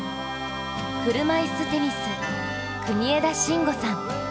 車いすテニス・国枝慎吾さん。